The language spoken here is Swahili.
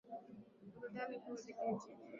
Burudani kuu katika kisiwa hiki ni likizo ya pwani